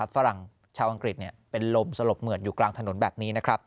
ฝรั่งชาวอังกฤษเป็นลมสลบเหมือดอยู่กลางถนนแบบนี้นะครับ